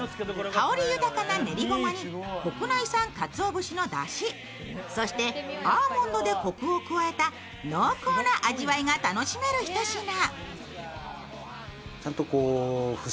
香り豊かな練りごまに国内産かつお節のだし、そしてアーモンドでコクを加えた濃厚な味わいが楽しめるひと品。